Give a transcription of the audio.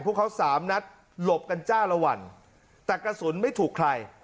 พวกเขาสามนัดหลบกันจ้าละวันแต่กระสุนไม่ถูกใคร